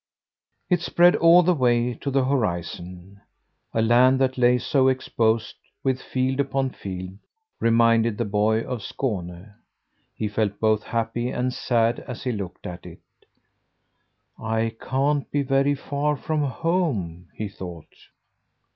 It spread all the way to the horizon. A land that lay so exposed, with field upon field, reminded the boy of Skåne. He felt both happy and sad as he looked at it. "I can't be very far from home," he thought.